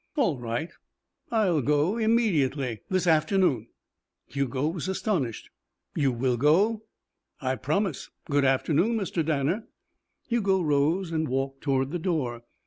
"All right. I'll go. Immediately. This afternoon." Hugo was astonished. "You will go?" "I promise. Good afternoon, Mr. Danner." Hugo rose and walked toward the door.